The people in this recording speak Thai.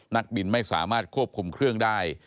นักบินไม่สามารถควบคุมเครื่องได้